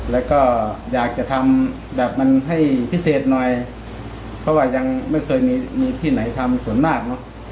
แล้วก็อยากจะทำแบบมันให้พิเศษหน่อยเพราะว่ายังไม่เคยมีมีที่ไหนทำส่วนมากเนอะ